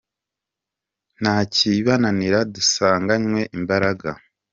nta kibananira Dusanganywe imbaraga.